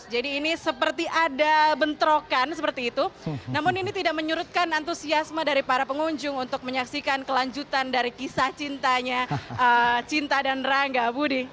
jadi ini seperti ada bentrokan seperti itu namun ini tidak menyurutkan antusiasme dari para pengunjung untuk menyaksikan kelanjutan dari kisah cintanya cinta dan rangga budi